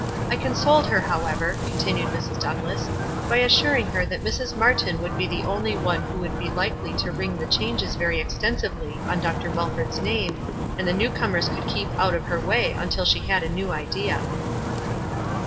I consoled her, however," continued Mrs. Douglass, "by assuring her that Mrs. Martyn would be the only one who would be likely to ring the changes very extensively on Dr. Mul ford's name, and the new comers could keep out of her way until she had a new idea."